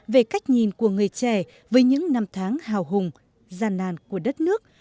về cách nhìn của người trẻ với những năm tháng hao hung gian nàn của đất nước